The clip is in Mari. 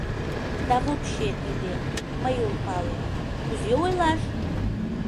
Да вообще тиде — мый ом пале, кузе ойлаш?!.